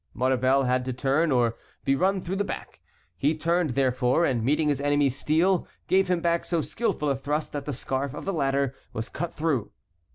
Maurevel had to turn or be run through the back; he turned, therefore, and, meeting his enemy's steel, gave him back so skilful a thrust that the scarf of the latter was cut through.